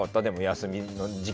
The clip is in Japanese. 休みの時間。